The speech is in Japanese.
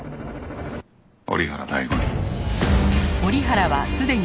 折原大吾に。